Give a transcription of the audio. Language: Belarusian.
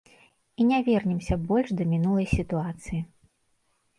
І не вернемся больш да мінулай сітуацыі.